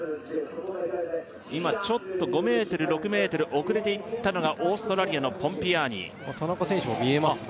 今ちょっと５ｍ６ｍ遅れていったのがオーストラリアのポンピアーニ田中選手も見えますね